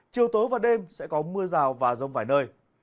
chiều tối và đêm sẽ có mưa rào và rông vài nơi